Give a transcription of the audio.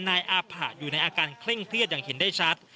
นายอาผะอยู่ในอาการเคร่งเครียดอย่างเห็นได้ชัด